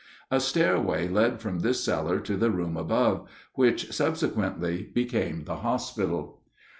A stairway led from this cellar to the room above, which subsequently became the hospital.